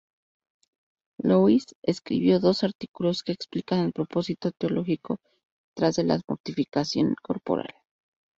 Louis, escribió dos artículos que explican el propósito teológico detrás de la mortificación corporal.